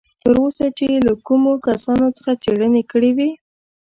تر اوسه چې یې له کومو کسانو څخه څېړنې کړې وې.